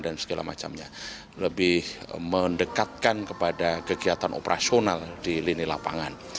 dan segala macamnya lebih mendekatkan kepada kegiatan operasional di lini lapangan